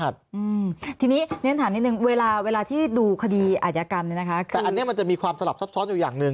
แต่อันนี้มันจะมีความสลับซับซ้อนอยู่อย่างหนึ่ง